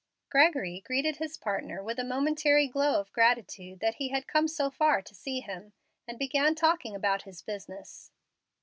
Gregory greeted his partner with a momentary glow of gratitude that he had come so far to see him, and began talking about his business.